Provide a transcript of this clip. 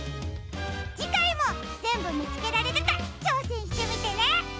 じかいもぜんぶみつけられるかちょうせんしてみてね！